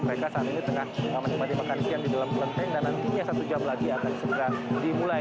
mereka saat ini tengah menikmati makan siang di dalam kelenteng dan nantinya satu jam lagi akan segera dimulai